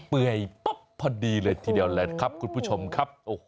เป่ยพอดีเลยทีเด็ดนั่นแหละครับคุณผู้ชมครับ